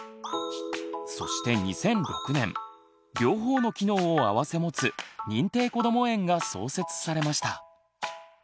そして２００６年両方の機能をあわせもつ認定こども園が創設されました。